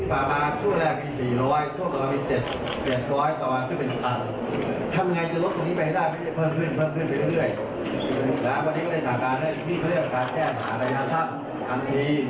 แล้วจิตฟังที่ได้แล้วก็มีการแก้ในจิตฟัง